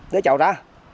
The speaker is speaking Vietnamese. đưa cháu ra